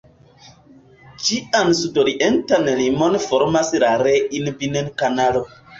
Ĝian sudorientan limon formas la Rhein-Binnen-Kanalo.